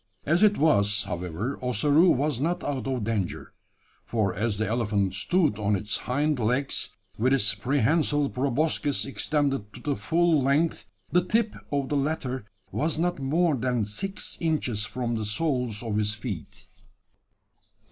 As it was, however, Ossaroo was not out of danger: for as the elephant stood on its hind legs, with its prehensile proboscis extended to the full length, the tip of the latter was not more than six inches from the soles of his feet.